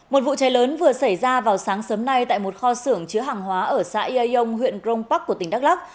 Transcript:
một vụ cháy lớn vừa xảy ra vào sáng sớm nay tại một kho xưởng chứa hàng hóa ở xã yê yông huyện grong park của tỉnh đắk lắc